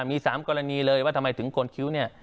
มี๓กรณีเลยว่าทำไมถึงกดคิ้วเนี่ย